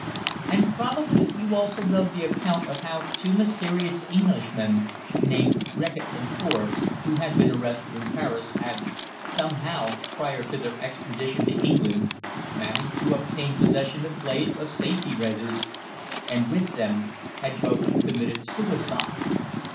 And probably you also read the account of how two mysterious Englishmen named Reckitt and Forbes, who had been arrested in Paris, had, somehow, prior to their extradition to England, managed to obtain possession of blades of safety razors, and with them had both committed suicide.